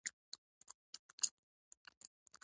د فلاني کال د جون نهمه کېږي.